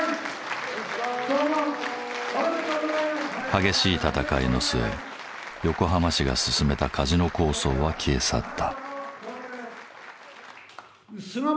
激しい戦いの末横浜市が進めたカジノ構想は消え去った。